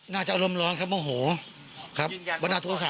น่าจะอร่ำร้อนครับโอ้โหบรรณาตัวค่ะ